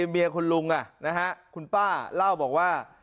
เมียคุณลุงคุณป้าเล่าบอกว่า